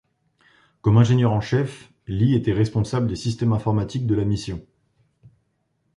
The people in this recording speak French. Comme ingénieur en chef, Lee était responsable des systèmes informatiques de la mission.